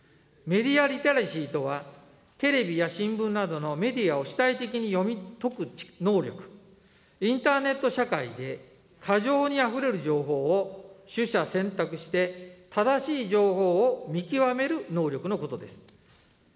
メディアリテラシーとは、テレビや新聞などのメディアを主体的に読み解く能力、インターネット社会で過剰にあふれる情報を取捨選択して正しい情報を見極める能力のことです。